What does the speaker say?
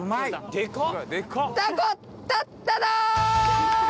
「でかっ」